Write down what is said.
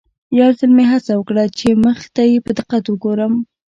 یو ځل مې هڅه وکړه چې مخ ته یې په دقت وګورم.